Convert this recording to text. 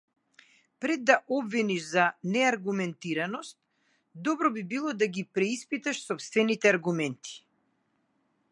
Пред да обвиниш за неаргументираност, добро би било да ги преиспиташ сопствените аргументи.